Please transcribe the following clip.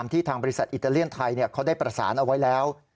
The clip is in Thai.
ที่ทางบริษัทอิตาเลียนไทยเขาได้ประสานเอาไว้แล้ว